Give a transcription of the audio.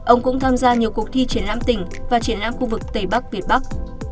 ông cũng tham gia nhiều cuộc thi triển lãm tỉnh và triển lãm khu vực tây bắc việt bắc